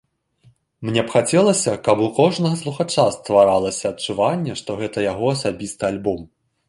Мне б хацелася, каб у кожнага слухача стваралася адчуванне, што гэта яго асабісты альбом.